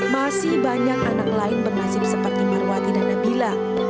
masih banyak anak lain bernasib seperti marwati dan nabila